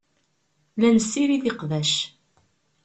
La nessirid iqbac.